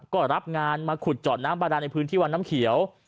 ก็รับงานมาขุดเจาะน้ำบาดาในพื้นที่วังน้ำเขียว